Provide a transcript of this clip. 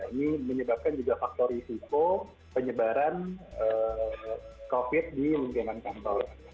ini menyebabkan juga faktor risiko penyebaran covid di lingkungan kantor